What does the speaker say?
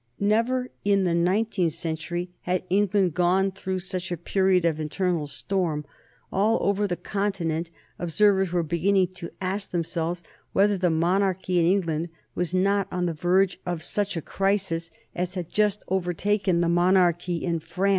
Never, in the nineteenth century, had England gone through such a period of internal storm. All over the Continent observers were beginning to ask themselves whether the monarchy in England was not on the verge of such a crisis as had just overtaken the monarchy in France.